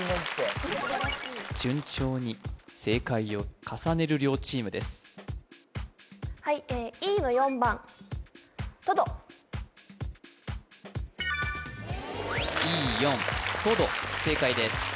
順調に正解を重ねる両チームですはいＥの４番Ｅ４とど正解です